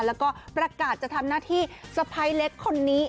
แล้วก็ประกาศจะทำหน้าที่สะพ้ายเล็กคนนี้